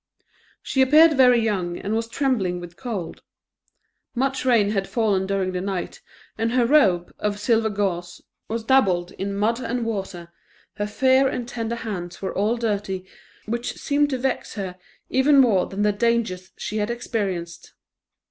She appeared very young, and was trembling with cold. Much rain had fallen during the night, and her robe, of silver gauze, was dabbled in mud and water; her fair and tender hands were all dirty, which seemed to vex her even more than the dangers she had experienced.